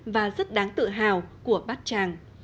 và rất đáng tự hào của bát tràng